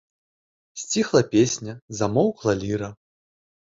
Сціхла песня, замоўкла ліра.